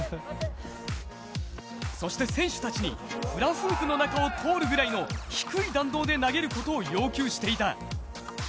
そして選手たちにフラフープの中を通るくらいの低い弾道で投げることを要求していた。